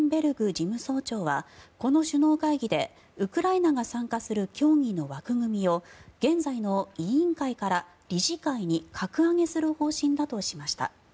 事務総長はこの首脳会議でウクライナが参加する協議の枠組みを現在の委員会から理事会に格上げする方針だとしました。